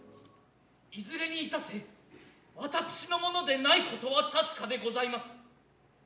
いづれにいたせ私のものでないことは確でございます。